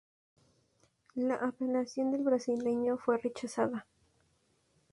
La apelación del brasileño fue rechazada.